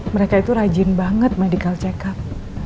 mereka itu rajin banget medical check up